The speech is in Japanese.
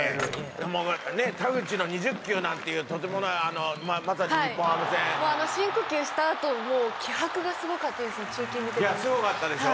「もうね田口の２０球なんていうとんでもないまさに日本ハム戦」「もうあの深呼吸したあともう気迫がすごかったですね